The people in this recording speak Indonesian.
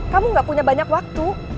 kamu gak punya banyak waktu